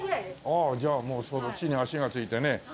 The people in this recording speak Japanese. ああじゃあもう地に足がついてね。